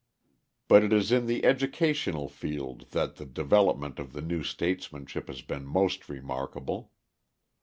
But it is in the educational field that the development of the new statesmanship has been most remarkable.